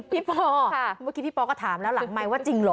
พี่พ่อค่ะเมื่อกี้พี่พ่อก็ถามแล้วหลังไมส์ว่าจริงเหรอ